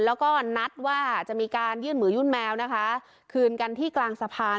แล้วก็นัดว่าจะมีการยื่นมือยื่นแมวนะคะคืนกันที่กลางสะพาน